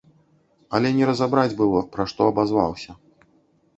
Але не разабраць было, пра што абазваўся.